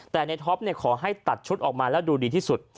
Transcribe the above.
แต่ในท็อปขอให้ตัดชุดออกมาแล้วดูดีที่สุด